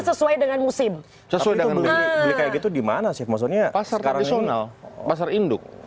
sesuai dengan musim sesuai dengan gini gitu di mana sih maksudnya pasar tradisional pasar induk